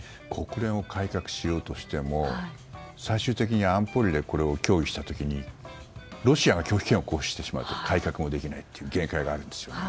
国連を改革しようとしても最終的に安保理で協議した時にロシアが拒否権を行使してしまうと改革もできないという限界があるんです。